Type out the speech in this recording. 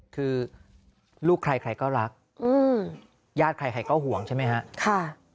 คือลูกใครใครก็รักญาติใครใครก็ห่วงใช่ไหมฮะ